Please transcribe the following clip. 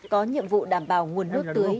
có nhiệm vụ đảm bảo nguồn nước tưới